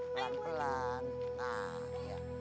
pelan pelan nah iya